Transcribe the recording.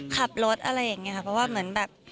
ขับรถอะไรอย่างนี้ค่ะเพราะว่าเหมือนแบบ